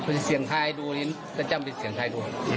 ไปเสี่ยงทายดูนี่ก็จำเป็นเสี่ยงทายดู